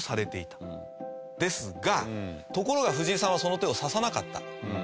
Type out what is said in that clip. ですがところが藤井さんはその手を指さなかった。